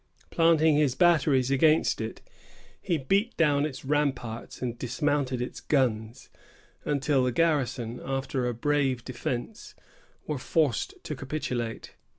Planting his batteries against it, he beat down its ramparts and dismounted its guns, until the garrison, after a brave defence, were forced to capitulate.